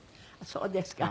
そうですか。